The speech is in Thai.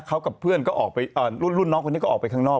เขากับเพื่อนก็ออกไปรุ่นน้องคนนี้ก็ออกไปข้างนอก